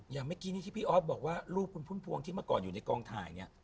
อย่างเมื่อกี้นี้ที่พี่ออฟบอกว่ารูปคุณพุ่มพวงที่เมื่อก่อนอยู่ในกองถ่ายเนี่ย